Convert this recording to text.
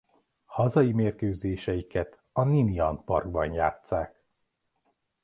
Hazai mérkőzéseiket a Ninian Parkban játsszák.